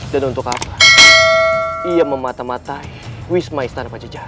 dan untuk apa ia mematah matahi wisma istana pancajara